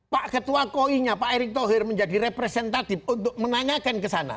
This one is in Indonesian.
pak ketua koi nya pak erick thohir menjadi representatif untuk menanyakan kesana